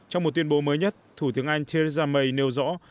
trong một tuyên bố mới nhất thủ tướng anh theresa may nêu rõ